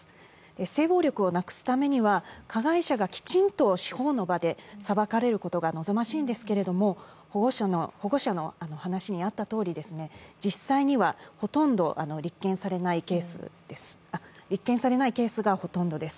性暴力をなくすためには、加害者がきちんと司法の場で裁かれることが望ましいんですけれども、保護者の話にあったとおり、実際には立件されないケースがほとんどです。